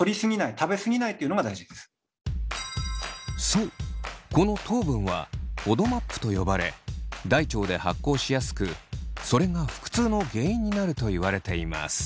そうこの糖分はＦＯＤＭＡＰと呼ばれ大腸で発酵しやすくそれが腹痛の原因になるといわれています。